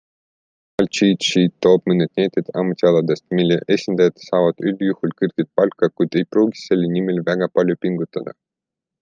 Portaal CheatSheet toob mõned näited ametialadest, mille esindajad saavad üldjuhul kõrget palka, kuid ei pruugi selle nimel väga palju pingutada.